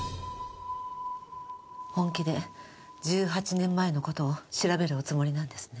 本気で１８年前の事を調べるおつもりなんですね。